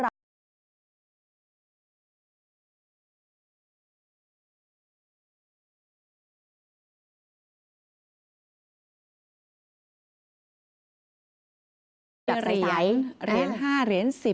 เหรียญ๕เหรียญ๑๐อยู่ในบ่อ